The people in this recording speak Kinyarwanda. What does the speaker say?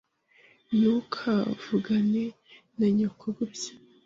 Ntukavugane na nyoko gutya.